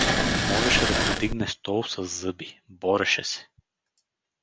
Можеше да подигне стол със зъби, бореше се.